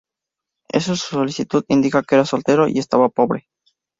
En su solicitud indica que era soltero y estaba pobre.